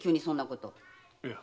いや。